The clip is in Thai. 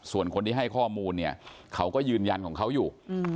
ส่วนคนที่ให้ข้อมูลเนี่ยเขาก็ยืนยันของเขาอยู่